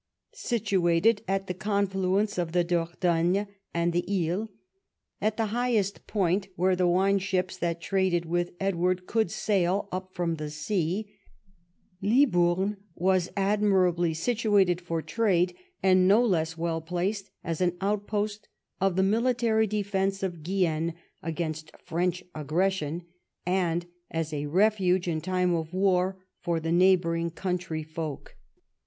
Situated at the confluence of the Dordogne and the Isle, at the highest point where the wine ships that traded with England could sail up from the sea, Libourne was admirably situated for trade, and no less well placed as an outpost of the military defence of Guienne against French aggression, and as a refuge in time of war for the neighboiiring countrj^ folk.